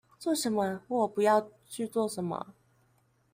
做什麼或不要去做什麼